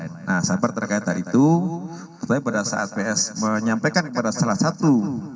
nah sabar terkait hal itu tapi pada saat ps menyampaikan kepada salah satu